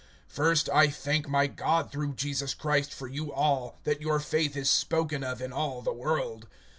(8)First, I thank my God through Jesus Christ for you all, that your faith is spoken of in all the world.